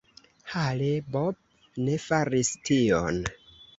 Hale-Bopp ne faris tion.